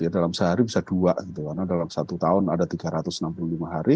dalam sehari bisa dua karena dalam satu tahun ada tiga ratus enam puluh lima hari